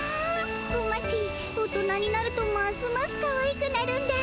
小町大人になるとますますかわいくなるんだ。